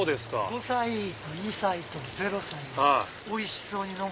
５歳２歳と０歳がおいしそうに飲む。